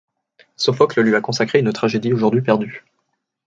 Sophocle lui a consacré une tragédie aujourd'hui perdue.